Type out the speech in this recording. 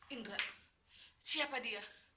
indra siapa dia